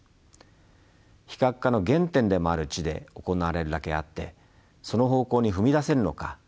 非核化の原点でもある地で行われるだけあってその方向に踏み出せるのか